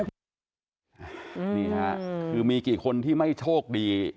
นี่ค่ะคือมีกี่คนที่ไม่โชคดี